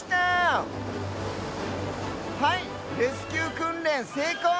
はいレスキューくんれんせいこう！